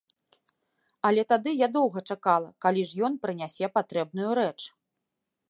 Але тады я доўга чакала, калі ж ён прынясе патрэбную рэч.